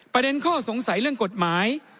ประเด็นข้อสงสัยเรื่องกฎหมาย